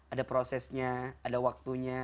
ada prosesnya ada waktunya